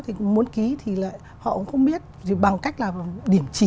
thì muốn ký thì lại họ cũng không biết bằng cách làm điểm chỉ